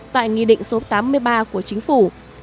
tại nghị định số tám mươi ba của chính phủ